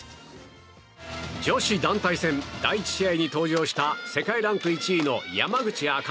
女子団体戦第１試合に登場した世界ランク１位の山口茜。